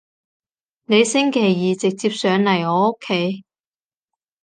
你星期二直接上嚟我屋企